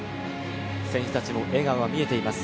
選手たちも笑顔は見えています。